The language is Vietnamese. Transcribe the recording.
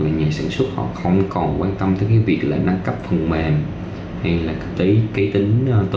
là nhà sản xuất họ không còn quan tâm tới cái việc là nâng cấp thông minh